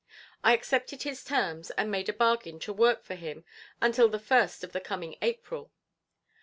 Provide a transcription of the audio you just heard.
I accepted his terms, and made a bargain to work for him until the first of the coming April.